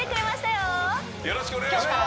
よろしくお願いします